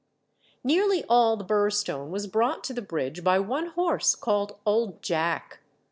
Nearly all the bur stone was brought to the bridge by one horse, called "Old Jack."